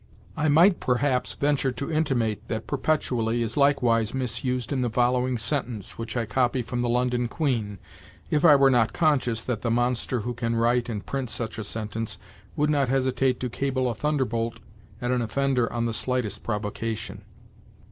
I might perhaps venture to intimate that perpetually is likewise misused in the following sentence, which I copy from the "London Queen," if I were not conscious that the monster who can write and print such a sentence would not hesitate to cable a thunderbolt at an offender on the slightest provocation.